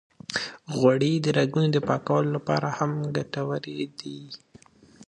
غوړې د رګونو د پاکولو لپاره هم ګټورې دي.